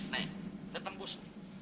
nih dia tembus